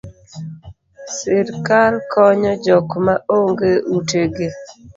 Sirkal konyo jok ma onge ute gi